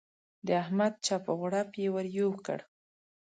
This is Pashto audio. د احمد چپ و غړوپ يې ور یو کړ.